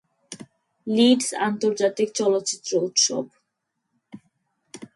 Leeds আন্তর্জাতিক চলচ্চিত্র উৎসব